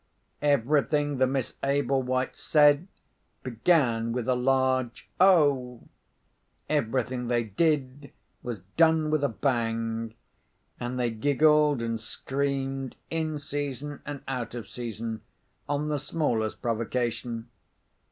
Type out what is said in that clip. Everything the Miss Ablewhites said began with a large O; everything they did was done with a bang; and they giggled and screamed, in season and out of season, on the smallest provocation.